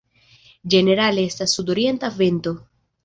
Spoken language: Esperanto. Ĝenerale estas sudorienta vento.